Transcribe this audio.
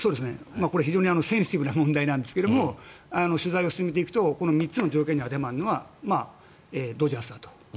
これは非常にセンシティブな問題ですが取材を進めていくとこの３つの条件にあてはまるのはドジャースだと。